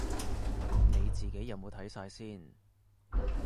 你自己有冇睇晒先